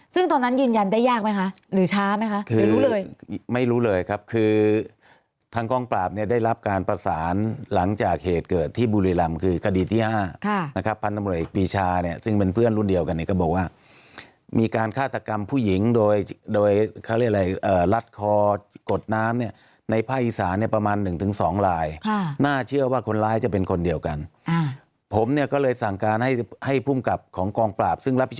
ซึ่งตอนนั้นยืนยันได้ยากไหมคะหรือช้ามั้ยคะไม่รู้เลยครับคือทางกองปราปเนี่ยได้รับการประสานหลังจากเหตุเกิดที่บุรีรำคือกดีที่๕พันธมดิกปีชาเนี่ยซึ่งเป็นเพื่อนรุ่นเดียวกันเขาบอกว่ามีการฆ่าตรรรค์กรรมผู้หญิงโดยโดยเค้าเรียกอะไรลัดคอกดน้ำเนี่ยในภาษฐีศาสตร์เนี่ยประมาณ๑๒